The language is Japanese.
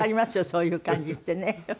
そういう感じってね。